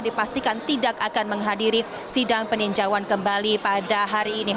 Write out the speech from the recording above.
dipastikan tidak akan menghadiri sidang peninjauan kembali pada hari ini